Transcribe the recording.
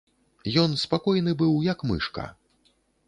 Ён спакойны быў як мышка!